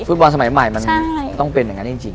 ฟุตบอลสมัยใหม่มันต้องเป็นอย่างนั้นจริง